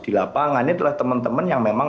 di lapangan itu adalah teman teman yang memang